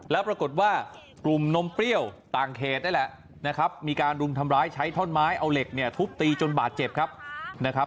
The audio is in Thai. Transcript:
แล้วปรากฏว่ากลุ่มนมเปรี้ยวต่างเขตนี่แหละนะครับมีการรุมทำร้ายใช้ท่อนไม้เอาเหล็กเนี่ยทุบตีจนบาดเจ็บครับนะครับ